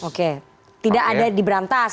oke tidak ada diberantas